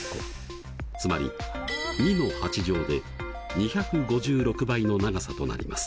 つまり２の８乗で２５６倍の長さとなります。